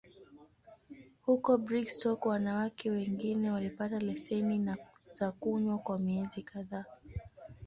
Huko Brigstock, wanawake wengine walipata leseni za kunywa kwa miezi kadhaa.